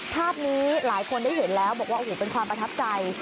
ภาพนี้หลายคนได้เห็นแล้วบอกว่าโอ้โหเป็นความประทับใจ